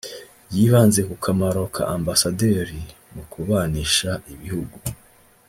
yibanze ku kamaro ka Ambasaderi mu kubanisha ibihugu